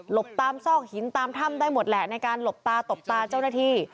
บตามซอกหินตามถ้ำได้หมดแหละในการหลบตาตบตาเจ้าหน้าที่